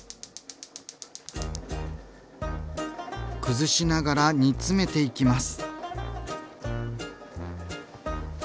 崩しながら煮詰めていきます。